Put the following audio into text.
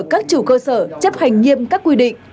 các chủ cơ sở chấp hành nghiêm các quy định